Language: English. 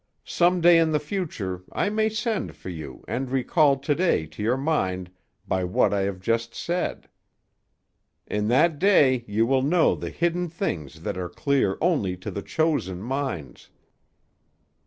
Some day in the future I may send for you and recall to day to your mind by what I have just said. In that day you will know the hidden things that are clear only to the chosen minds.